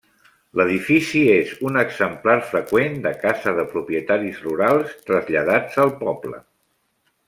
L'edifici és un exemplar freqüent de casa de propietaris rurals, traslladats al poble.